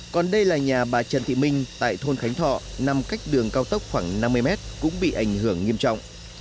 còn đây là nhà bà trần thị minh tại thôn khánh thọ nằm cách đường cao tốc khoảng năm mươi mét cũng bị ảnh hưởng nghiêm trọng